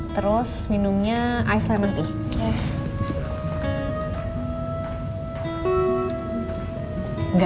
terus minumnya ais lemon tea